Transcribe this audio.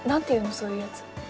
そういうやつ。